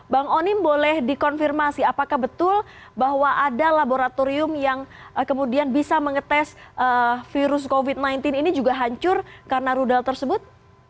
bang onim boleh dikonfirmasi apakah betul bahwa ada laboratorium yang kemudian bisa mengetes virus covid sembilan belas ini juga hancur karena rudal tersebut